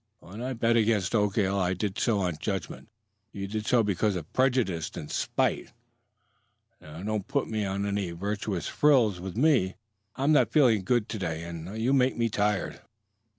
When I bet against Oakdale, I did so on judgment; you did so because of prejudice and spite. Now, don't put on any virtuous frills with me, for I'm not feeling good to day, and you make me tired."